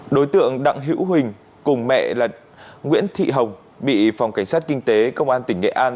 đối tượng đặng hữu huỳnh cùng mẹ là nguyễn thị hồng bị phòng cảnh sát kinh tế công an tỉnh nghệ an